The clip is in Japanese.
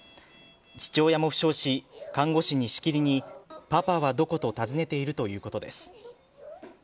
父親も負傷し看護師にしきりにパパはどこと尋ねているということです。